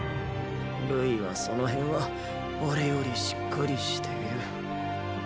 瑠衣はその辺は俺よりしっかりしている。